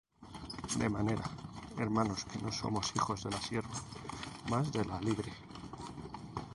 De manera, hermanos, que no somos hijos de la sierva, mas de la libre.